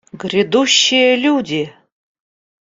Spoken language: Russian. Грядущие люди!